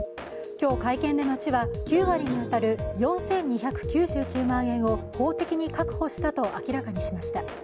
今日、会見で町は９割に当たる４２９９万円を法的に確保したと明らかにしました。